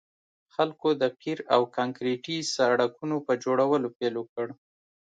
خلکو د قیر او کانکریټي سړکونو په جوړولو پیل وکړ